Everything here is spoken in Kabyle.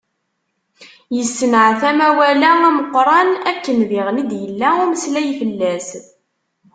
Yessenɛet amawal-a ameqqran, akken diɣen i d-yella umeslay fell-as.